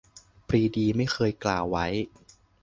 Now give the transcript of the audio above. - ปรีดีไม่เคยกล่าวไว้